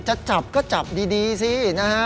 จะจับก็จับดีสินะฮะ